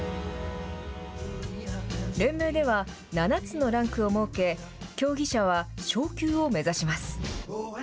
連盟では７つのランクを設け競技者は昇級を目指します。